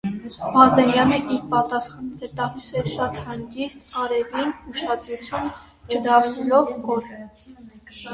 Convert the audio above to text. Բազենյանը իր պատասխանները տալիս էր շատ հանգիստ, ամենևին ուշադրություն չդարձնելով օր.